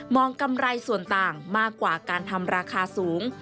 กำไรส่วนต่างมากกว่าการทำราคาสูง